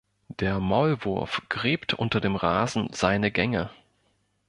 Der Maulwurf gräbt unter dem Rasen seine Gänge.